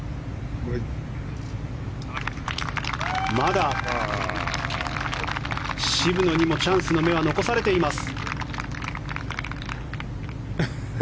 まだ渋野にもチャンスの目は残されています。